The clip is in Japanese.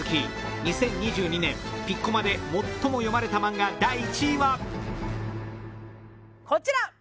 ２０２２年「ピッコマ」で最も読まれた漫画第１位はこちら！